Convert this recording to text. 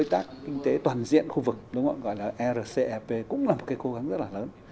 các kinh tế toàn diện khu vực gọi là ercfp cũng là một cái cố gắng rất là lớn